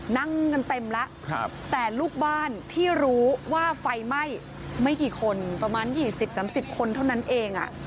นั่งกันเต็มแล้วแต่ลูกบ้านที่รู้ว่าไฟไหม้ไม่กี่คนประมาณ๒๐๓๐คนเท่านั้นเอง